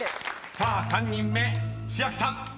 ［さあ３人目千秋さん］